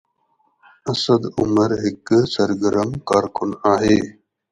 اسد عمر هڪ سرگرم ڪارڪن آهي.